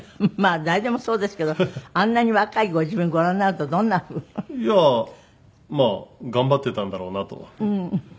まあ誰でもそうですけどあんなに若いご自分ご覧になるとどんな風？いやまあ頑張ってたんだろうなとは。